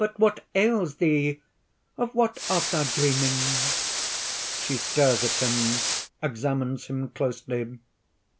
what ails thee? of what art thou dreaming?" (_She stares at him, examines him closely.